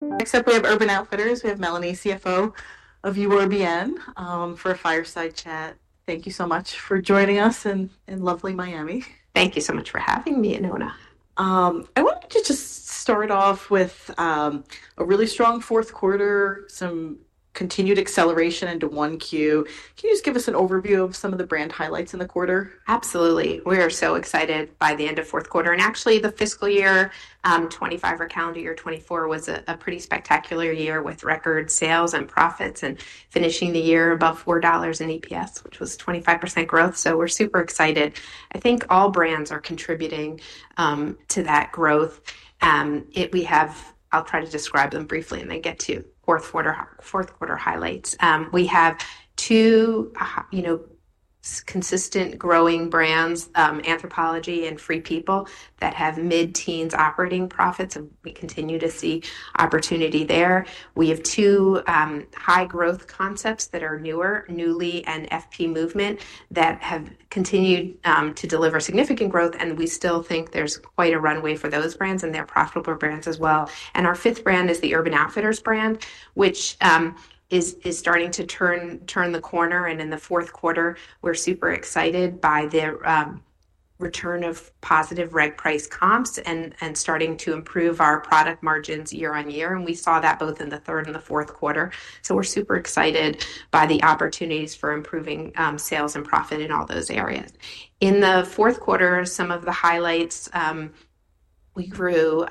Next up, we have Urban Outfitters. We have Melanie, CFO of URBN, for a fireside chat. Thank you so much for joining us in lovely Miami. Thank you so much for having me, Oona. I wanted to just start off with a really strong Q4, some continued acceleration into Q1. Can you just give us an overview of some of the brand highlights in the quarter? Absolutely. We are so excited by the end of Q4. Actually, the fiscal year 2025, our calendar year 2024, was a pretty spectacular year with record sales and profits and finishing the year above $4 in EPS, which was 25% growth. We are super excited. I think all brands are contributing to that growth. I'll try to describe them briefly and then get to Q4 highlights. We have two consistent growing brands, Anthropologie and Free People, that have mid-teens operating profits, and we continue to see opportunity there. We have two high-growth concepts that are newer, Nuuly and FP Movement, that have continued to deliver significant growth, and we still think there's quite a runway for those brands, and they're profitable brands as well. Our fifth brand is the Urban Outfitters brand, which is starting to turn the corner. In Q4, we're super excited by the return of positive reg price comps and starting to improve our product margins year on year. We saw that both in the Q3 and Q4. We're super excited by the opportunities for improving sales and profit in all those areas. In Q4 some of the highlights: we grew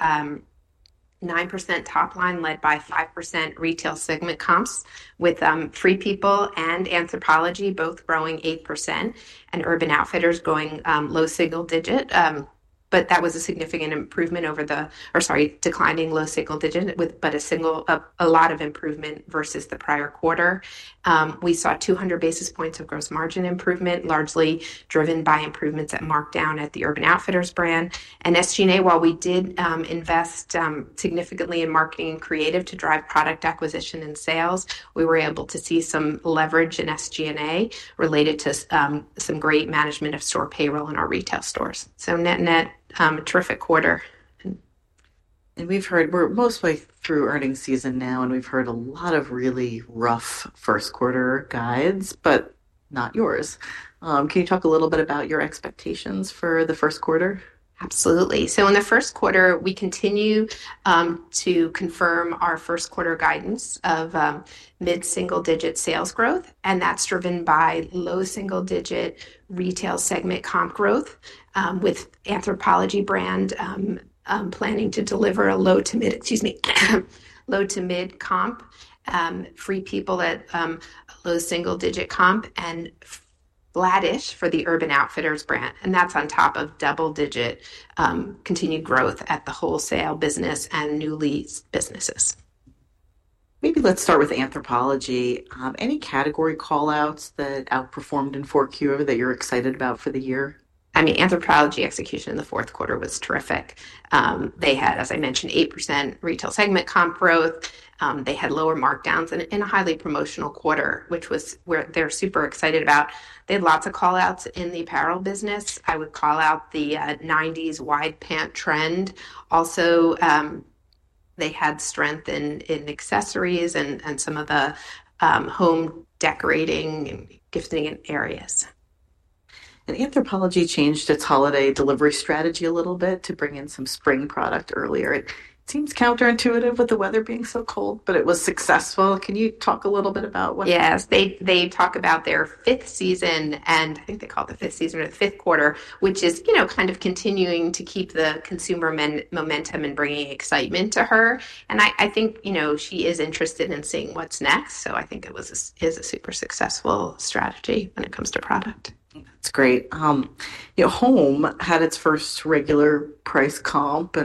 9% top line, led by 5% retail segment comps with Free People and Anthropologie, both growing 8%, and Urban Outfitters going low single digit. That was a significant improvement over the—sorry, declining low single digit, but a lot of improvement versus the prior quarter. We saw 200 basis points of gross margin improvement, largely driven by improvements at Markdown at the Urban Outfitters brand. SG&A, while we did invest significantly in marketing and creative to drive product acquisition and sales, we were able to see some leverage in SG&A related to some great management of store payroll in our retail stores. Net-net a terrific quarter. We've heard—we're mostly through earnings season now, and we've heard a lot of really rough Q1 guides, but not yours. Can you talk a little bit about your expectations for the Q1? Absolutely. In the Q1, we continue to confirm our Q1 guidance of mid-single digit sales growth, and that's driven by low single digit retail segment comp growth, with Anthropologie brand planning to deliver a low to mid—excuse me—low to mid comp, Free People at low single digit comp, and flattish for the Urban Outfitters brand. That's on top of double digit continued growth at the wholesale business and Nuuly's businesses. Maybe let's start with Anthropologie. Any category callouts that outperformed in Q4 that you're excited about for the year? I mean, Anthropologie execution in the Q4 was terrific. They had, as I mentioned, 8% retail segment comp growth. They had lower markdowns in a highly promotional quarter, which was what they're super excited about. They had lots of callouts in the apparel business. I would call out the '90s wide pant trend. Also, they had strength in accessories and some of the home decorating and gifting areas. Anthropologie changed its holiday delivery strategy a little bit to bring in some spring product earlier. It seems counterintuitive with the weather being so cold, but it was successful. Can you talk a little bit about what? Yes. They talk about their fifth season, and I think they call it the fifth season or the Q5, which is kind of continuing to keep the consumer momentum and bringing excitement to her. I think she is interested in seeing what's next. I think it was a super successful strategy when it comes to product. That's great. Home had its first regular price comp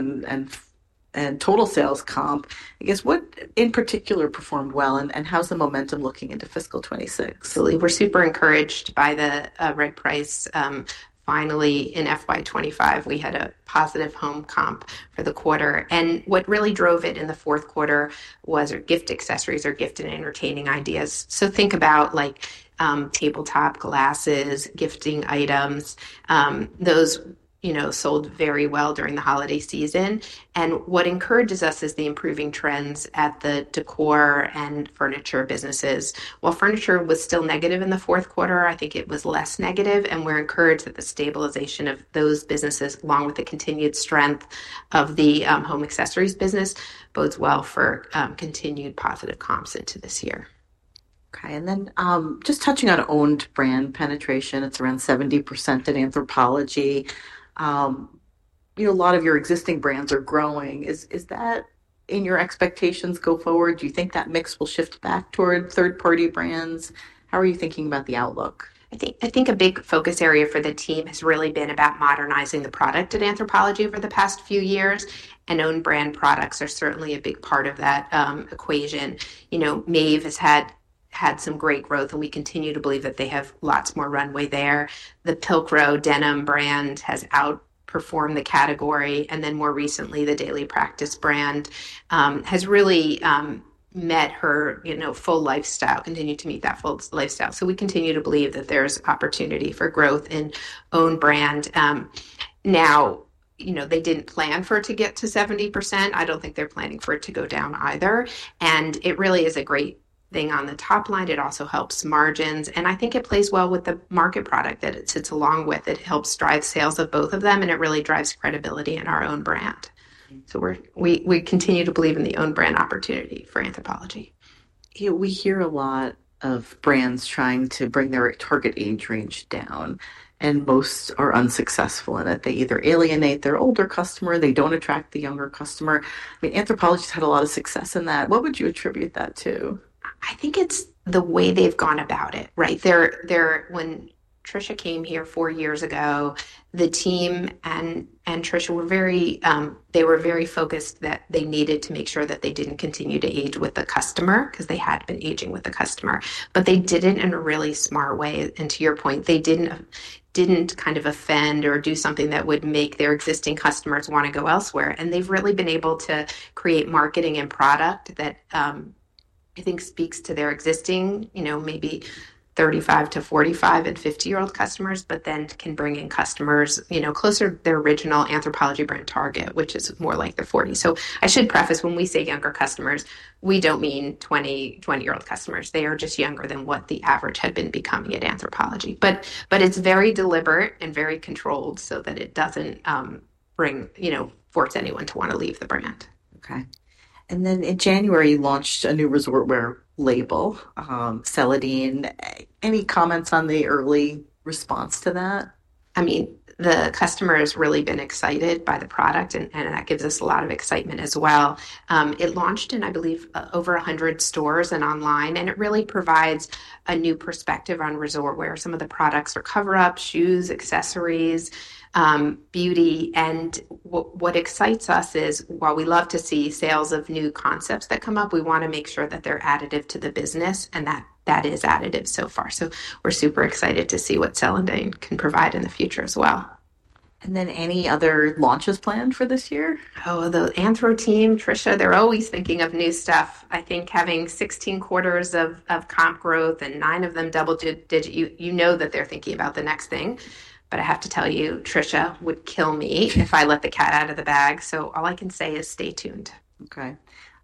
and total sales comp. I guess what in particular performed well, and how's the momentum looking into fiscal 2026? Absolutely. We're super encouraged by the reg price. Finally, in fiscal year 2025, we had a positive home comp for the quarter. What really drove it in the Q4 was gift accessories or gift and entertaining ideas. Think about tabletop glasses, gifting items. Those sold very well during the holiday season. What encourages us is the improving trends at the decor and furniture businesses. While furniture was still negative in the Q4, I think it was less negative. We're encouraged that the stabilization of those businesses, along with the continued strength of the home accessories business, bodes well for continued positive comps into this year. Okay. Just touching on owned brand penetration, it's around 70% at Anthropologie. A lot of your existing brands are growing. Is that in your expectations go forward? Do you think that mix will shift back toward third-party brands? How are you thinking about the outlook? I think a big focus area for the team has really been about modernizing the product at Anthropologie over the past few years. And owned brand products are certainly a big part of that equation. Maeve has had some great growth, and we continue to believe that they have lots more runway there. The Pilcrow Denim brand has outperformed the category. And then more recently, the Daily Practice brand has really met her full lifestyle, continued to meet that full lifestyle. So we continue to believe that there's opportunity for growth in owned brand. Now, they did not plan for it to get to 70%. I do not think they are planning for it to go down either. It really is a great thing on the top line. It also helps margins. I think it plays well with the market product that it sits along with. It helps drive sales of both of them, and it really drives credibility in our own brand. We continue to believe in the owned brand opportunity for Anthropologie. We hear a lot of brands trying to bring their target age range down, and most are unsuccessful in it. They either alienate their older customer, they don't attract the younger customer. I mean, Anthropologie's had a lot of success in that. What would you attribute that to? I think it's the way they've gone about it, right? When Trisha came here four years ago, the team and Trisha were very focused that they needed to make sure that they didn't continue to age with the customer because they had been aging with the customer. They did it in a really smart way. To your point, they didn't kind of offend or do something that would make their existing customers want to go elsewhere. They've really been able to create marketing and product that I think speaks to their existing maybe 35 to 45 and 50-year-old customers, but then can bring in customers closer to their original Anthropologie brand target, which is more like the 40. I should preface, when we say younger customers, we don't mean 20-year-old customers. They are just younger than what the average had been becoming at Anthropologie. It is very deliberate and very controlled so that it does not force anyone to want to leave the brand. Okay. In January, you launched a new resort wear label, Celandine. Any comments on the early response to that? I mean, the customer has really been excited by the product, and that gives us a lot of excitement as well. It launched in, I believe, over 100 stores and online, and it really provides a new perspective on resort wear. Some of the products are cover-ups, shoes, accessories, beauty. What excites us is, while we love to see sales of new concepts that come up, we want to make sure that they're additive to the business, and that is additive so far. We are super excited to see what Celandine can provide in the future as well. Are there any other launches planned for this year? Oh, the Anthro team, Trisha, they're always thinking of new stuff. I think having 16 quarters of comp growth and nine of them double digit, you know that they're thinking about the next thing. I have to tell you, Trisha would kill me if I let the cat out of the bag. All I can say is stay tuned. Okay.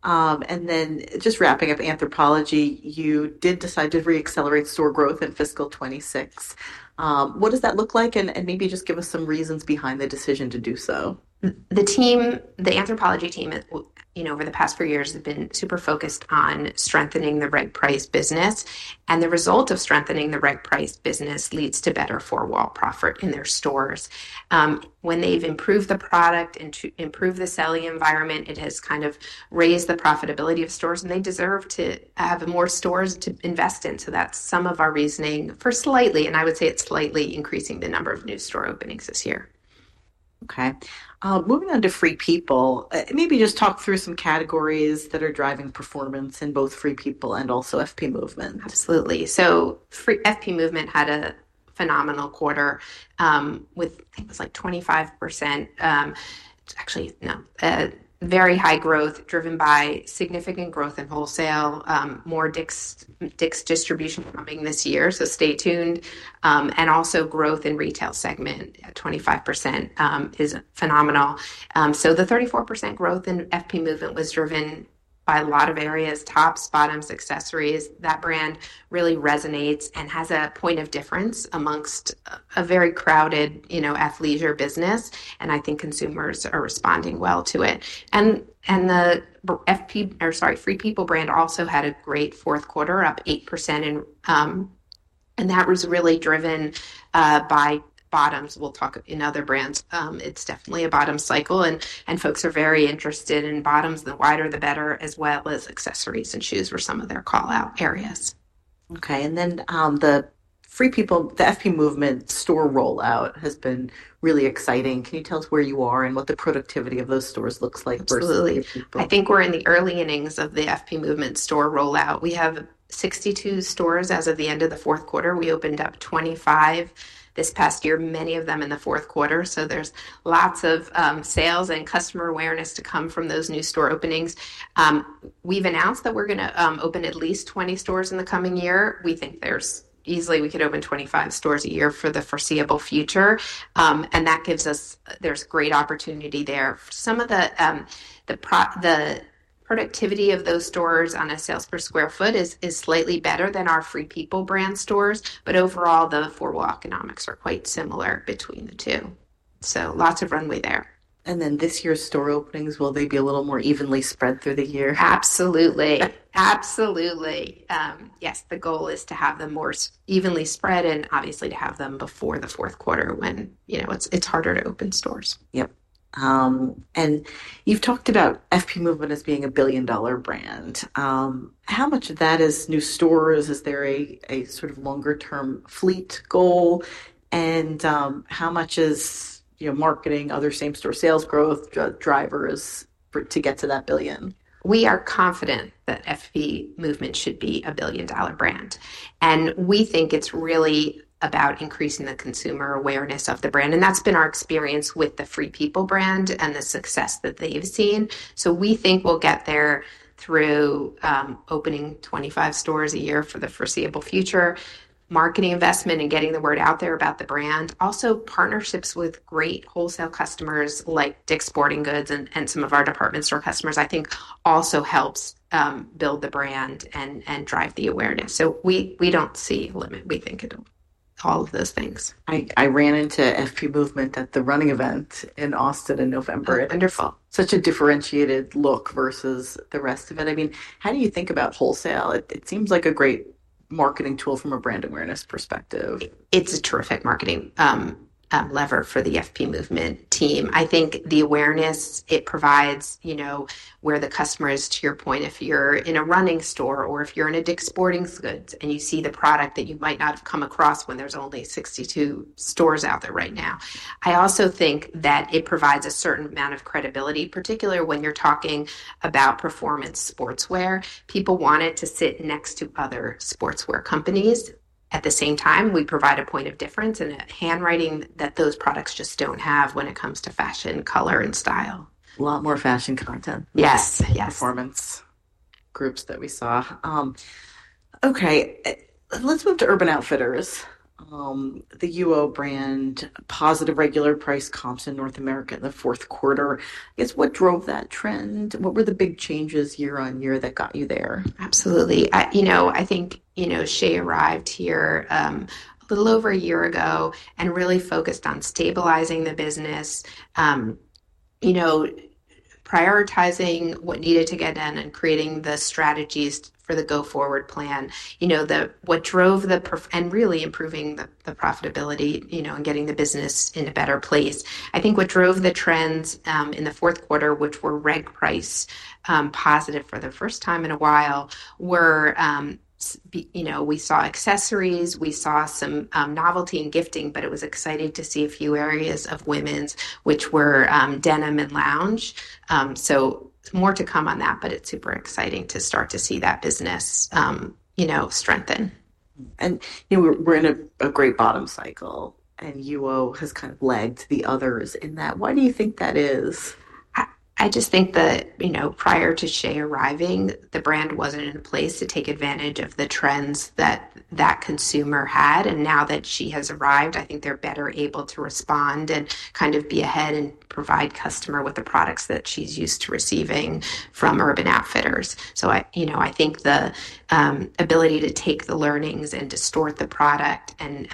And then just wrapping up Anthropologie, you did decide to re-accelerate store growth in fiscal 2026. What does that look like? And maybe just give us some reasons behind the decision to do so. The Anthropologie team, over the past four years, has been super focused on strengthening the reg price business. The result of strengthening the reg price business leads to better four-wall profit in their stores. When they've improved the product and improved the selling environment, it has kind of raised the profitability of stores, and they deserve to have more stores to invest in. That is some of our reasoning for slightly, and I would say it's slightly, increasing the number of new store openings this year. Okay. Moving on to Free People, maybe just talk through some categories that are driving performance in both Free People and also FP Movement. Absolutely. FP Movement had a phenomenal quarter with, I think it was like 25%. Actually, no, very high growth driven by significant growth in wholesale, more Dick's distribution coming this year. Stay tuned. Also, growth in retail segment, 25% is phenomenal. The 34% growth in FP Movement was driven by a lot of areas, tops, bottoms, accessories. That brand really resonates and has a point of difference amongst a very crowded athleisure business, and I think consumers are responding well to it. The FP, or sorry, Free People brand also had a great Q4, up 8%. That was really driven by bottoms. We'll talk in other brands. It's definitely a bottom cycle, and folks are very interested in bottoms. The wider, the better, as well as accessories and shoes were some of their callout areas. Okay. The Free People, the FP Movement store rollout has been really exciting. Can you tell us where you are and what the productivity of those stores looks like versus Free People? Absolutely. I think we're in the early innings of the FP Movement store rollout. We have 62 stores as of the end of the Q4. We opened up 25 this past year, many of them in the Q4. There is lots of sales and customer awareness to come from those new store openings. We've announced that we're going to open at least 20 stores in the coming year. We think easily we could open 25 stores a year for the foreseeable future. That gives us great opportunity there. Some of the productivity of those stores on a sales per sq ft is slightly better than our Free People brand stores. Overall, the four-wall economics are quite similar between the two. Lots of runway there. This year's store openings, will they be a little more evenly spread through the year? Absolutely. Absolutely. Yes. The goal is to have them more evenly spread and obviously to have them before the Q4 when it's harder to open stores. Yep. You have talked about FP Movement as being a billion-dollar brand. How much of that is new stores? Is there a sort of longer-term fleet goal? How much is marketing, other same-store sales growth drivers to get to that billion? We are confident that FP Movement should be a billion-dollar brand. We think it's really about increasing the consumer awareness of the brand. That's been our experience with the Free People brand and the success that they've seen. We think we'll get there through opening 25 stores a year for the foreseeable future, marketing investment, and getting the word out there about the brand. Also, partnerships with great wholesale customers like Dick's Sporting Goods and some of our department store customers, I think also helps build the brand and drive the awareness. We don't see a limit. We think all of those things. I ran into FP Movement at the running event in Austin in November. Wonderful. Such a differentiated look versus the rest of it. I mean, how do you think about wholesale? It seems like a great marketing tool from a brand awareness perspective. It's a terrific marketing lever for the FP Movement team. I think the awareness it provides where the customer is, to your point, if you're in a running store or if you're in a Dick's Sporting Goods and you see the product that you might not have come across when there's only 62 stores out there right now. I also think that it provides a certain amount of credibility, particularly when you're talking about performance sportswear. People want it to sit next to other sportswear companies. At the same time, we provide a point of difference and a handwriting that those products just don't have when it comes to fashion, color, and style. A lot more fashion content. Yes. Yes. Performance groups that we saw. Okay. Let's move to Urban Outfitters, the UO brand, positive regular price comps in North America in the Q4. I guess what drove that trend? What were the big changes year on year that got you there? Absolutely. I think Shea arrived here a little over a year ago and really focused on stabilizing the business, prioritizing what needed to get in and creating the strategies for the go-forward plan. What drove the and really improving the profitability and getting the business in a better place. I think what drove the trends in the Q4, which were reg price positive for the first time in a while, were we saw accessories. We saw some novelty in gifting, it was exciting to see a few areas of women's, which were denim and lounge. More to come on that, but it's super exciting to start to see that business strengthen. We're in a great bottom cycle, and UO has kind of led to the others in that. Why do you think that is? I just think that prior to Shea arriving, the brand wasn't in a place to take advantage of the trends that that consumer had. Now that she has arrived, I think they're better able to respond and kind of be ahead and provide customer with the products that she's used to receiving from Urban Outfitters. I think the ability to take the learnings and distort the product and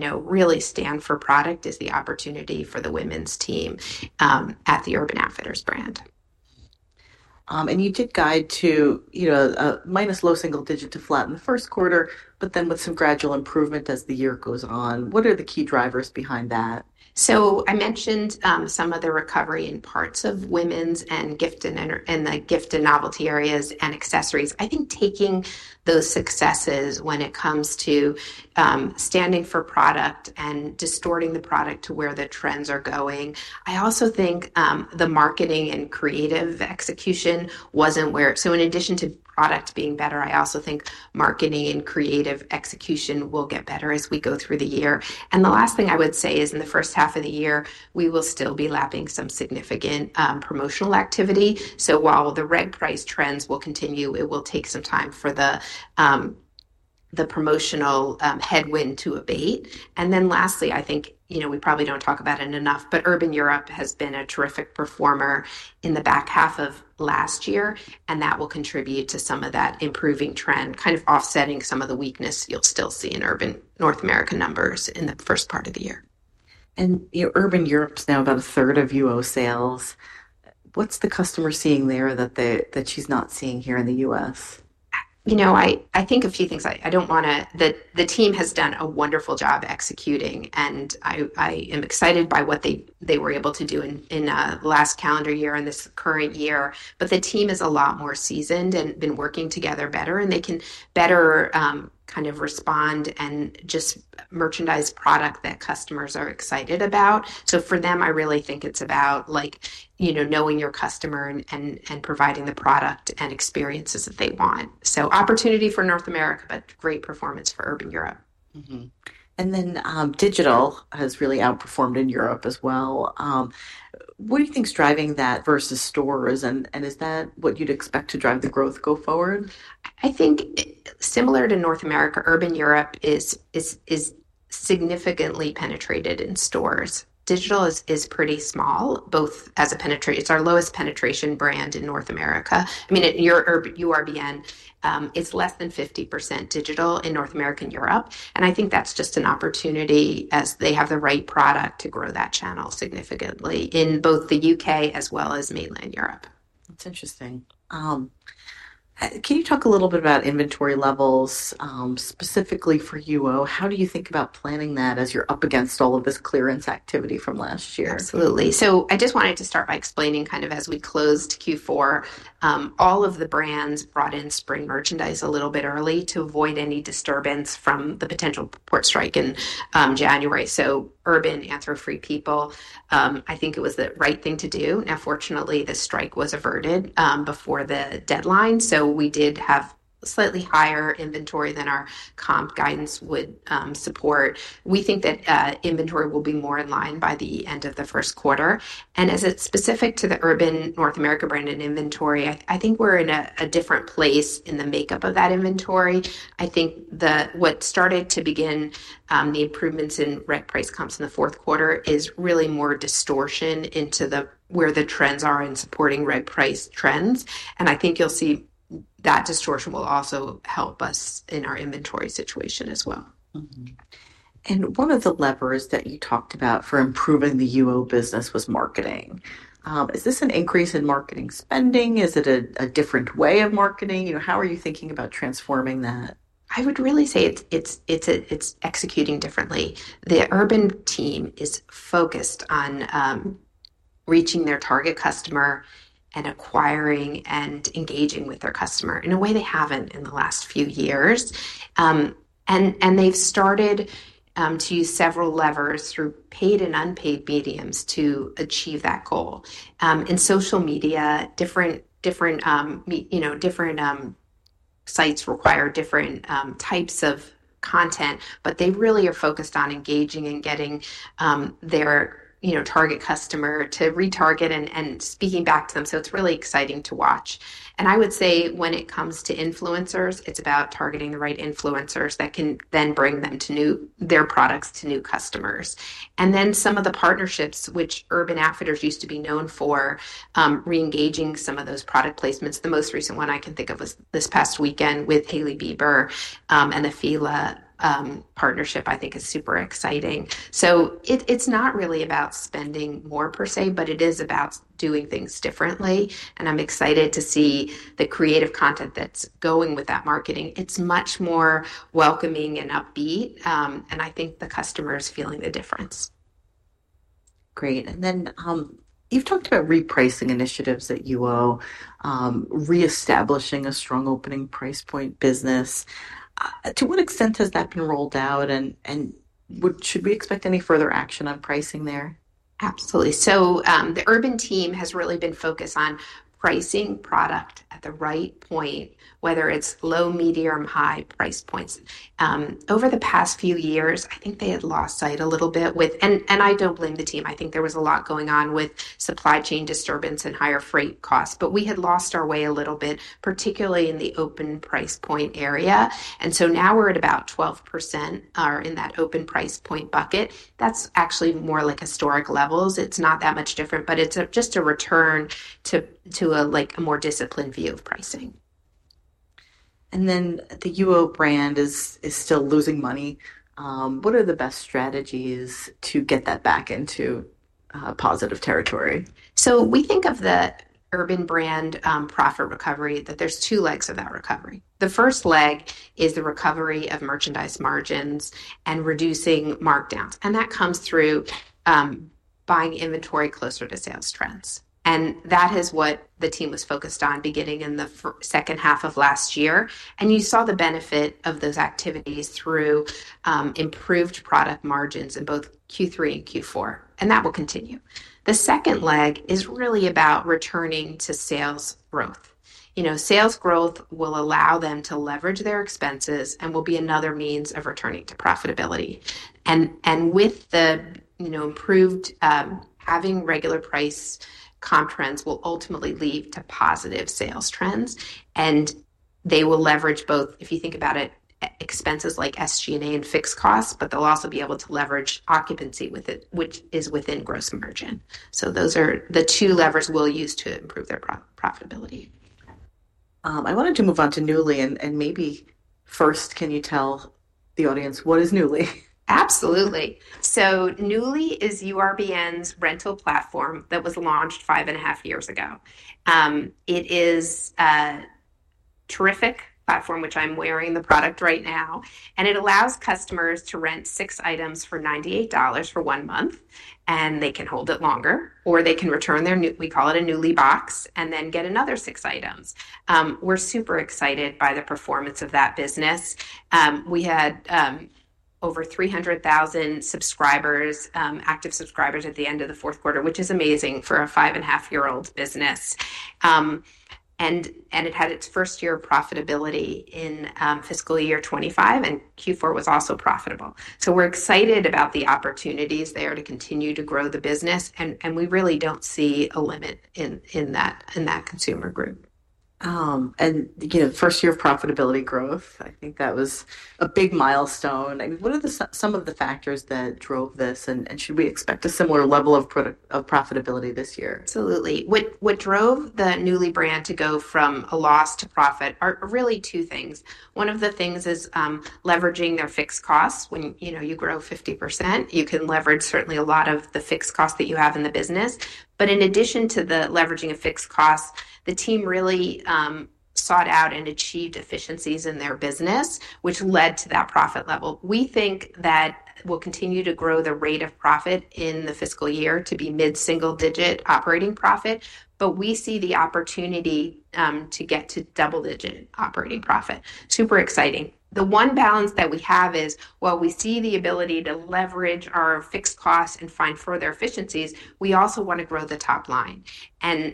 really stand for product is the opportunity for the women's team at the Urban Outfitters brand. You did guide to minus low single digit to flatten the Q1 but then with some gradual improvement as the year goes on. What are the key drivers behind that? I mentioned some of the recovery in parts of women's and the gift and novelty areas and accessories. I think taking those successes when it comes to standing for product and distorting the product to where the trends are going. I also think the marketing and creative execution was not where. In addition to product being better, I also think marketing and creative execution will get better as we go through the year. The last thing I would say is in the first half of the year, we will still be lapping some significant promotional activity. While the reg price trends will continue, it will take some time for the promotional headwind to abate. Lastly, I think we probably do not talk about it enough, but Urban Europe has been a terrific performer in the back half of last year, and that will contribute to some of that improving trend, kind of offsetting some of the weakness you will still see in Urban North America numbers in the first part of the year. Urban Europe's now about a third of UO sales. What's the customer seeing there that she's not seeing here in the US? I think a few things. I don't want to—the team has done a wonderful job executing, and I am excited by what they were able to do in the last calendar year and this current year. The team is a lot more seasoned and been working together better, and they can better kind of respond and just merchandise product that customers are excited about. For them, I really think it's about knowing your customer and providing the product and experiences that they want. Opportunity for North America, but great performance for Urban Europe. Digital has really outperformed in Europe as well. What do you think's driving that versus stores? Is that what you'd expect to drive the growth go forward? I think similar to North America, Urban Europe is significantly penetrated in stores. Digital is pretty small, both as a penetration. It's our lowest penetration brand in North America. I mean, at URBN, it's less than 50% digital in North America and Europe. I think that's just an opportunity as they have the right product to grow that channel significantly in both the UK as well as mainland Europe. That's interesting. Can you talk a little bit about inventory levels, specifically for UO? How do you think about planning that as you're up against all of this clearance activity from last year? Absolutely. I just wanted to start by explaining kind of as we closed Q4, all of the brands brought in spring merchandise a little bit early to avoid any disturbance from the potential port strike in January. Urban, Anthro, Free People, I think it was the right thing to do. Now, fortunately, the strike was averted before the deadline. We did have slightly higher inventory than our comp guidance would support. We think that inventory will be more in line by the end of the Q1. As it's specific to the Urban North America branded inventory, I think we're in a different place in the makeup of that inventory. I think what started to begin the improvements in reg price comps in the Q4 is really more distortion into where the trends are in supporting reg price trends. I think you'll see that distortion will also help us in our inventory situation as well. One of the levers that you talked about for improving the UO business was marketing. Is this an increase in marketing spending? Is it a different way of marketing? How are you thinking about transforming that? I would really say it's executing differently. The Urban team is focused on reaching their target customer and acquiring and engaging with their customer in a way they haven't in the last few years. They've started to use several levers through paid and unpaid mediums to achieve that goal. In social media, different sites require different types of content, but they really are focused on engaging and getting their target customer to retarget and speaking back to them. It's really exciting to watch. I would say when it comes to influencers, it's about targeting the right influencers that can then bring their products to new customers. Some of the partnerships which Urban Outfitters used to be known for reengaging some of those product placements. The most recent one I can think of was this past weekend with Hailey Bieber and the Fila partnership, I think, is super exciting. It is not really about spending more per se, but it is about doing things differently. I am excited to see the creative content that is going with that marketing. It is much more welcoming and upbeat. I think the customer is feeling the difference. Great. You have talked about repricing initiatives at UO, reestablishing a strong opening price point business. To what extent has that been rolled out? Should we expect any further action on pricing there? Absolutely. The Urban team has really been focused on pricing product at the right point, whether it's low, medium, or high price points. Over the past few years, I think they had lost sight a little bit with, and I don't blame the team. I think there was a lot going on with supply chain disturbance and higher freight costs. We had lost our way a little bit, particularly in the open price point area. Now we're at about 12% in that open price point bucket. That's actually more like historic levels. It's not that much different, but it's just a return to a more disciplined view of pricing. The UO brand is still losing money. What are the best strategies to get that back into positive territory? We think of the Urban brand profit recovery that there's two legs of that recovery. The first leg is the recovery of merchandise margins and reducing markdowns. That comes through buying inventory closer to sales trends. That is what the team was focused on beginning in the second half of last year. You saw the benefit of those activities through improved product margins in both Q3 and Q4. That will continue. The second leg is really about returning to sales growth. Sales growth will allow them to leverage their expenses and will be another means of returning to profitability. With the improved having regular price comp trends will ultimately lead to positive sales trends. They will leverage both, if you think about it, expenses like SG&A and fixed costs, but they'll also be able to leverage occupancy with it, which is within gross margin. Those are the two levers we'll use to improve their profitability. I wanted to move on to Nuuly. Maybe first, can you tell the audience what is Nuuly? Absolutely. Nuuly is URBN's rental platform that was launched five and a half years ago. It is a terrific platform, which I'm wearing the product right now. It allows customers to rent six items for $98 for one month, and they can hold it longer, or they can return their new, we call it a Nuuly box, and then get another six items. We're super excited by the performance of that business. We had over 300,000 active subscribers at the end of the Q4, which is amazing for a five and a half year old business. It had its first year of profitability in fiscal year 2025, and Q4 was also profitable. We're excited about the opportunities there to continue to grow the business. We really don't see a limit in that consumer group. First year of profitability growth, I think that was a big milestone. What are some of the factors that drove this? Should we expect a similar level of profitability this year? Absolutely. What drove the Nuuly brand to go from a loss to profit are really two things. One of the things is leveraging their fixed costs. When you grow 50%, you can leverage certainly a lot of the fixed costs that you have in the business. In addition to the leveraging of fixed costs, the team really sought out and achieved efficiencies in their business, which led to that profit level. We think that we'll continue to grow the rate of profit in the fiscal year to be mid-single digit operating profit, but we see the opportunity to get to double-digit operating profit. Super exciting. The one balance that we have is, while we see the ability to leverage our fixed costs and find further efficiencies, we also want to grow the top line.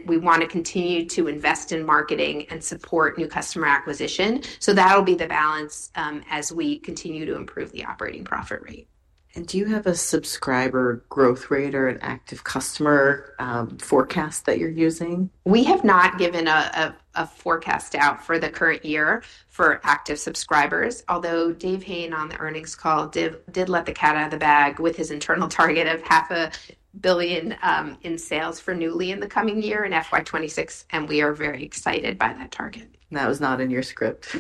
We want to continue to invest in marketing and support new customer acquisition. That'll be the balance as we continue to improve the operating profit rate. Do you have a subscriber growth rate or an active customer forecast that you're using? We have not given a forecast out for the current year for active subscribers, although Dave Hayne on the earnings call did let the cat out of the bag with his internal target of $500,000,000 in sales for Nuuly in the coming year in FY2026. We are very excited by that target. That was not in your script.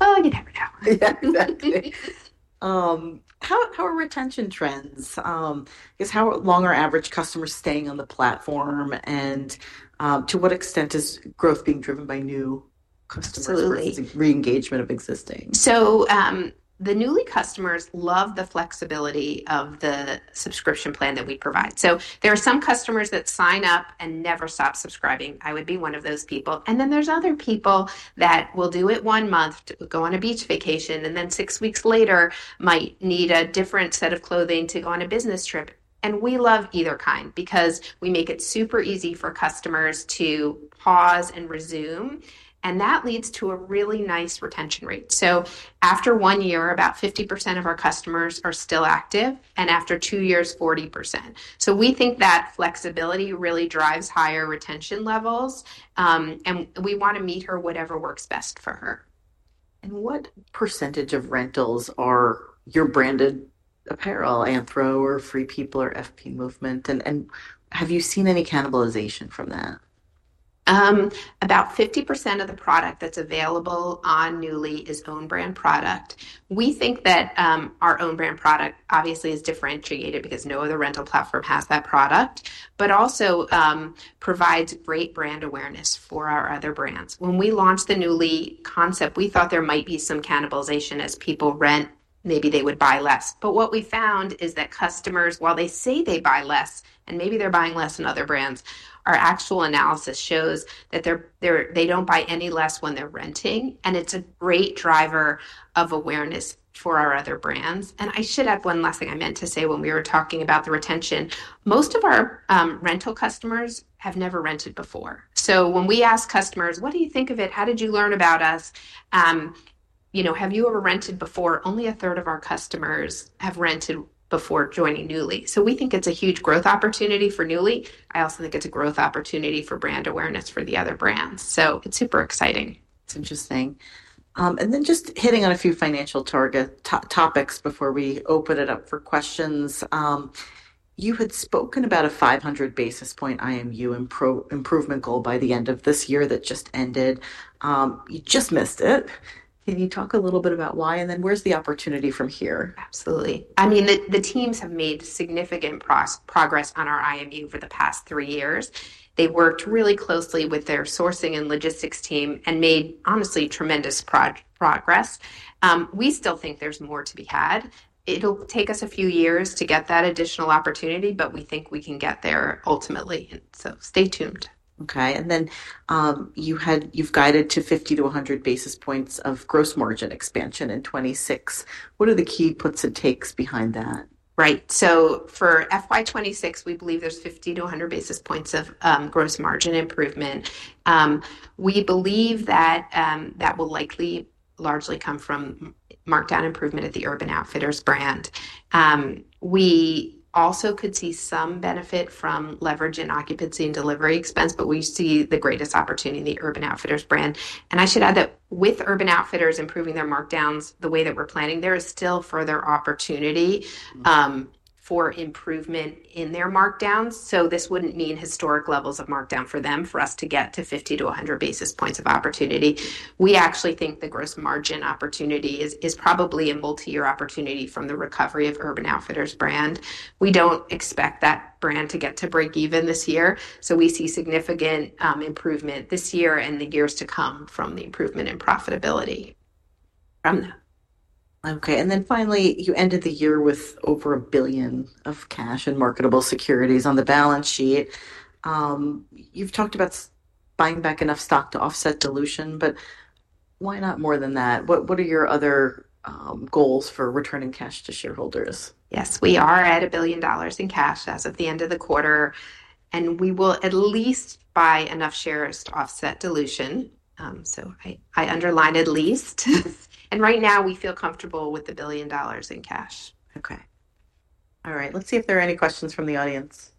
Oh, you never know. Yeah, exactly. How are retention trends? I guess how long are average customers staying on the platform? To what extent is growth being driven by new customers versus re-engagement of existing? The Nuuly customers love the flexibility of the subscription plan that we provide. There are some customers that sign up and never stop subscribing. I would be one of those people. Other people will do it one month, go on a beach vacation, and then six weeks later might need a different set of clothing to go on a business trip. We love either kind because we make it super easy for customers to pause and resume. That leads to a really nice retention rate. After one year, about 50% of our customers are still active, and after two years, 40%. We think that flexibility really drives higher retention levels. We want to meet her whatever works best for her. What percentage of rentals are your branded apparel, Anthro, or Free People or FP Movement? Have you seen any cannibalization from that? About 50% of the product that's available on Nuuly is own brand product. We think that our own brand product obviously is differentiated because no other rental platform has that product, but also provides great brand awareness for our other brands. When we launched the Nuuly concept, we thought there might be some cannibalization as people rent, maybe they would buy less. What we found is that customers, while they say they buy less, and maybe they're buying less than other brands, our actual analysis shows that they don't buy any less when they're renting. It's a great driver of awareness for our other brands. I should add one last thing I meant to say when we were talking about the retention. Most of our rental customers have never rented before. When we ask customers, "What do you think of it? How did you learn about us? Have you ever rented before?" Only a third of our customers have rented before joining Nuuly. We think it's a huge growth opportunity for Nuuly. I also think it's a growth opportunity for brand awareness for the other brands. It's super exciting. It's interesting. Just hitting on a few financial topics before we open it up for questions. You had spoken about a 500 basis point IMU improvement goal by the end of this year that just ended. You just missed it. Can you talk a little bit about why? Where's the opportunity from here? Absolutely. I mean, the teams have made significant progress on our IMU over the past three years. They worked really closely with their sourcing and logistics team and made, honestly, tremendous progress. We still think there's more to be had. It will take us a few years to get that additional opportunity, but we think we can get there ultimately. Stay tuned. Okay. You have guided to 50 to 100 basis points of gross margin expansion in 2026. What are the key puts and takes behind that? Right. For FY26, we believe there is 50 to 100 basis points of gross margin improvement. We believe that that will likely largely come from markdown improvement at the Urban Outfitters brand. We also could see some benefit from leverage in occupancy and delivery expense, but we see the greatest opportunity in the Urban Outfitters brand. I should add that with Urban Outfitters improving their markdowns the way that we are planning, there is still further opportunity for improvement in their markdowns. This would not mean historic levels of markdown for them for us to get to 50 to 100 basis points of opportunity. We actually think the gross margin opportunity is probably a multi-year opportunity from the recovery of Urban Outfitters brand. We do not expect that brand to get to break even this year. We see significant improvement this year and the years to come from the improvement in profitability from that. Okay. Finally, you ended the year with over $1 billion of cash and marketable securities on the balance sheet. You've talked about buying back enough stock to offset dilution, but why not more than that? What are your other goals for returning cash to shareholders? Yes. We are at $1 billion in cash as of the end of the quarter. We will at least buy enough shares to offset dilution. I underlined at least. Right now, we feel comfortable with $1 billion in cash. Okay. All right. Let's see if there are any questions from the audience.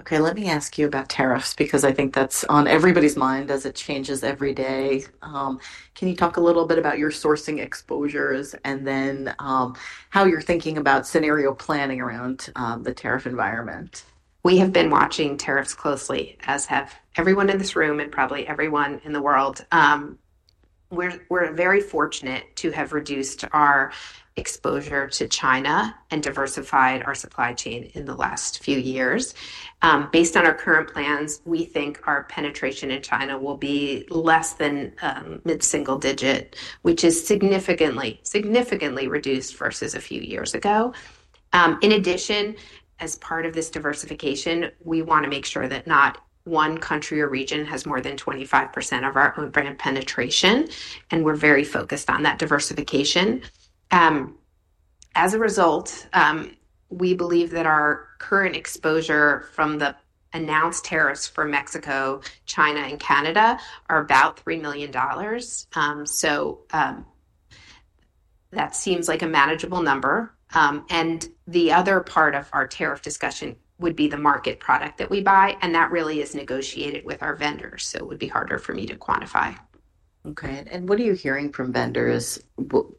Okay. Let me ask you about tariffs because I think that's on everybody's mind as it changes every day. Can you talk a little bit about your sourcing exposures and then how you're thinking about scenario planning around the tariff environment? We have been watching tariffs closely, as have everyone in this room and probably everyone in the world. We're very fortunate to have reduced our exposure to China and diversified our supply chain in the last few years. Based on our current plans, we think our penetration in China will be less than mid-single digit, which is significantly reduced versus a few years ago. In addition, as part of this diversification, we want to make sure that not one country or region has more than 25% of our own brand penetration. We're very focused on that diversification. As a result, we believe that our current exposure from the announced tariffs for Mexico, China, and Canada are about $3 million. That seems like a manageable number. The other part of our tariff discussion would be the market product that we buy. That really is negotiated with our vendors. It would be harder for me to quantify. Okay. What are you hearing from vendors?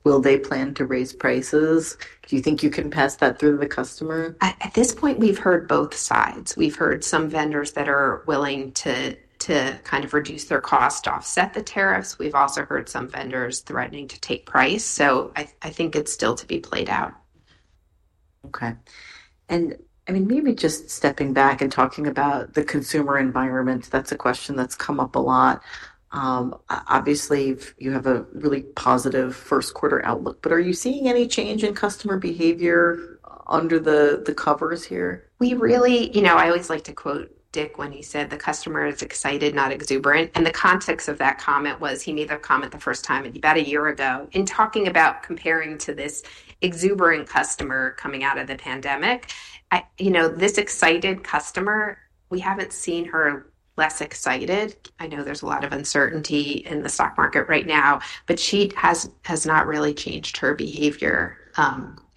Will they plan to raise prices? Do you think you can pass that through to the customer? At this point, we've heard both sides. We've heard some vendors that are willing to kind of reduce their cost to offset the tariffs. We've also heard some vendors threatening to take price. I think it's still to be played out. Okay. I mean, maybe just stepping back and talking about the consumer environment, that's a question that's come up a lot. Obviously, you have a really positive Q1 outlook, but are you seeing any change in customer behavior under the covers here? I always like to quote Dick when he said, "The customer is excited, not exuberant." The context of that comment was he made that comment the first time about a year ago. In talking about comparing to this exuberant customer coming out of the pandemic, this excited customer, we haven't seen her less excited. I know there's a lot of uncertainty in the stock market right now, but she has not really changed her behavior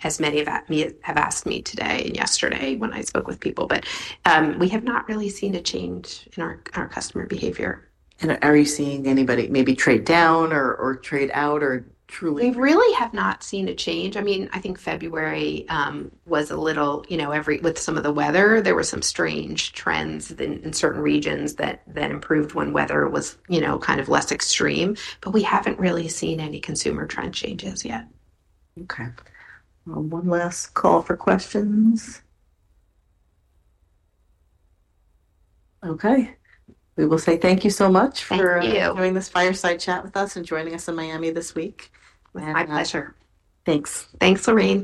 as many of you have asked me today and yesterday when I spoke with people. We have not really seen a change in our customer behavior. Are you seeing anybody maybe trade down or trade out or truly? We really have not seen a change. I mean, I think February was a little with some of the weather, there were some strange trends in certain regions that then improved when weather was kind of less extreme. We haven't really seen any consumer trend changes yet. Okay. One last call for questions. Okay. We will say thank you so much for doing this fireside chat with us and joining us in Miami this week. My pleasure. Thanks. Thanks, Lorraine.